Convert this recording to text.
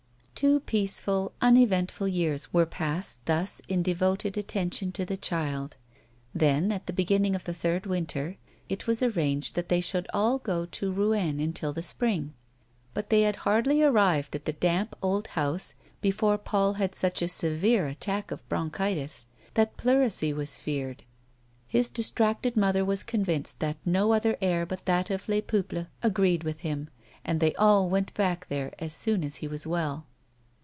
Two peaceful, uneventful years were passed thus in de voted attention to the child ; then, at the beginning of the third winter, it was arranged that they should all go to Rouen until the spring. But they had hardly arrived at the damp, old house before Paul had such a severe attack of bronchitis, that pleurisy was feared. His distracted mother was convinced that no other air but that of Les Peuples agreed with him, and they all went back there as soon as he was well.